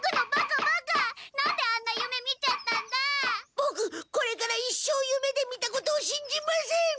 ボクこれから一生夢で見たことをしんじません！